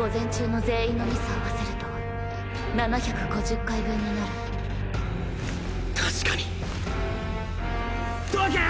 午前中の全員のミス合わせると７５０回分確かに十朱！